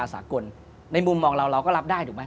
ที่ผ่านมาที่มันถูกบอกว่าเป็นกีฬาพื้นบ้านเนี่ย